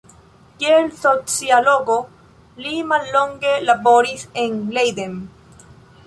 Kiel sociologo li mallonge laboris en Leiden.